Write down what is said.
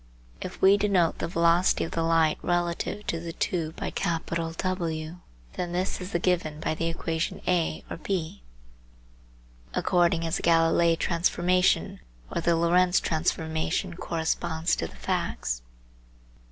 If we denote the velocity of the light relative to the tube by W, then this is given by the equation (A) or (B), according as the Galilei transformation or the Lorentz transformation corresponds to the facts.